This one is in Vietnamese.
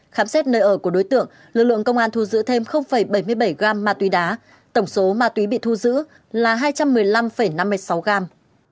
khám xét nơi ở của đối tượng lực lượng công an thu giữ thêm bảy mươi bảy gram ma túy đá tổng số ma túy bị thu giữ là hai trăm một mươi năm năm mươi sáu gram